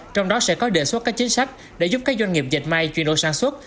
trong đó sẽ có đề xuất các chính sách để giúp các doanh nghiệp dệt may chuyển đổi sản xuất